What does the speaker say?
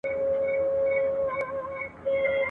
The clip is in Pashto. د يوزر او یوې شپې بهار دانش سوکاسپ تتي